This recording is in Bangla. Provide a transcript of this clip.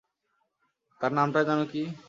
তার নামটা যেন কী?